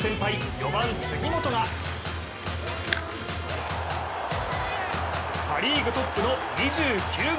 ４番・杉本がパ・リーグトップの２９号！